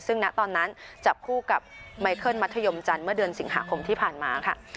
ซึ่งณตอนนั้นจับคู่กับไมเคิลมัธยมจันทร์เมื่อเดือนสิงหาคมที่ผ่านมาค่ะ